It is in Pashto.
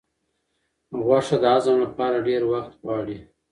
غوښه د هضم لپاره ډېر وخت غواړي.